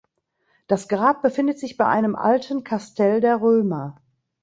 Das Grab befindet sich bei einem alten Kastell der Römer.